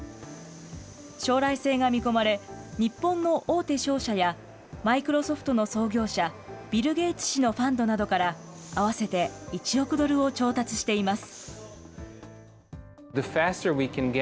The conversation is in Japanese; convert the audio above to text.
将来性が見込まれ、日本の大手商社や、マイクロソフトの創業者、ビル・ゲイツ氏のファンドなどから、合わせて１億ドルを調達しています。